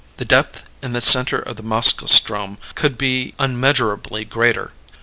The depth in the center of the Moskoe ström must be unmeasurably greater....